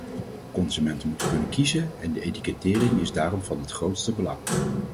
Consumenten moeten kunnen kiezen en de etikettering is daarom van het grootste belang.